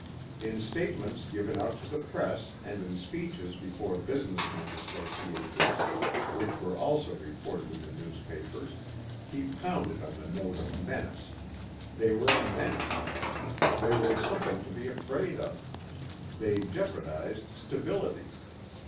In statements given out to the press and in speeches before business men's associations which were also reported in the newspapers, he pounded on the note of menace. They were a menace. They were something to be afraid of. They jeopardized stability.